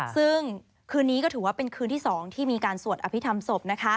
ซึ่งคืนนี้ก็ถือว่าเป็นคืนที่๒ที่มีการสวดอภิษฐรรมศพ